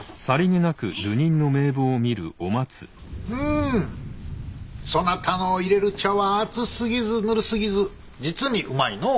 うんそなたのいれる茶は熱すぎずぬるすぎず実にうまいのう。